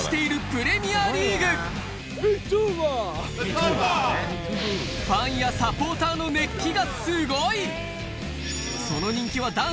今ファンやサポーターの熱気がすごい！